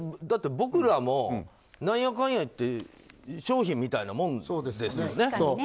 だって僕らも何やかんや言って商品みたいなもんですよね。